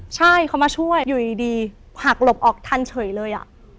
ใช่เขามาช่วยอยู่ดีหักหลบออกทันเฉยเลย